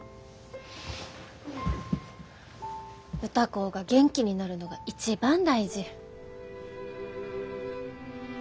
歌子が元気になるのが一番大事。